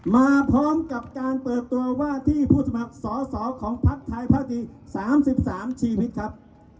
มาพร้อมกับการเปิดตัวว่าที่ผู้สมัครสอสอของพักไทยพักดี๓๓ชีวิตครับ